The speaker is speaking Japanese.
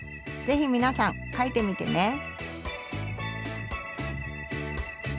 ぜひ皆さん書いてみてね。